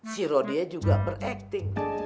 si rodie juga ber acting